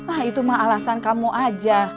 ah itu mah alasan kamu aja